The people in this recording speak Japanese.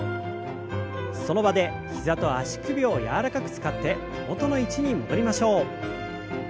その場で膝と足首を柔らかく使って元の位置に戻りましょう。